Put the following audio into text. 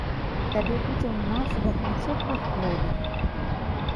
Табе будзе ў нас, як на цёплых водах!